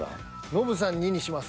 ノブさん２にします？